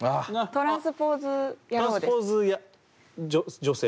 トランスポーズ女性。